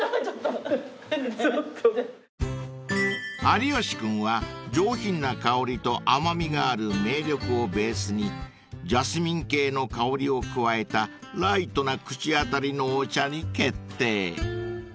［有吉君は上品な香りと甘味があるめいりょくをベースにジャスミン系の香りを加えたライトな口当たりのお茶に決定］